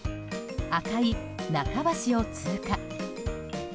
赤い中橋を通過。